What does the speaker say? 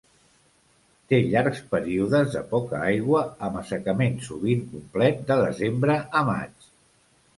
Té llargs períodes de poca aigua amb assecament sovint complet de desembre a maig.